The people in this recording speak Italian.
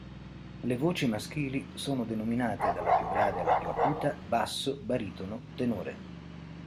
Le voci maschili sono denominate, dalla più grave alla più acuta, basso, baritono, tenore.